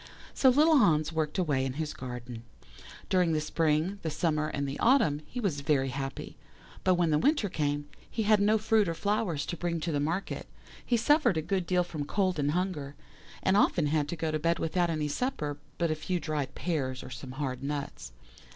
"So little Hans worked away in his garden. During the spring, the summer, and the autumn he was very happy, but when the winter came, and he had no fruit or flowers to bring to the market, he suffered a good deal from cold and hunger, and often had to go to bed without any supper but a few dried pears or some hard nuts.